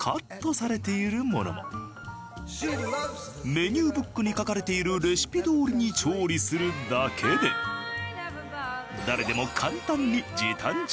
メニューブックに書かれているレシピどおりに調理するだけで誰でも簡単に時短調理が可能。